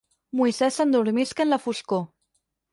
Moisès s'endormisca en la foscor.